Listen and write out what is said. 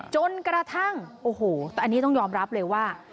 จนกระทั่งโอ้โหแต่อันนี้ต้องยอมรับเลยว่า